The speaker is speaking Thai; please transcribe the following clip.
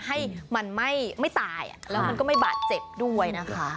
ให้มันไม่ตายแล้วมันก็ไม่บาดเจ็บด้วยนะคะ